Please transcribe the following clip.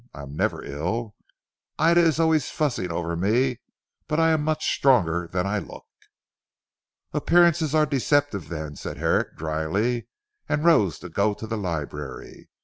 I am never ill. Ida is always fussing over me, but I am much stronger than I look." "Appearances are deceptive then," said Herrick dryly, and rose to go to the library.